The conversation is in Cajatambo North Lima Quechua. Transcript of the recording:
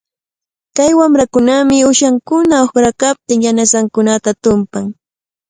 Kay wamrakunami uyshankuna uqranqanpita yanasankunata tumpan.